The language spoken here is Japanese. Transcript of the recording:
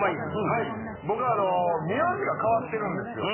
はい僕あの名字が変わってるんですよ。